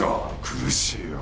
苦しいよ。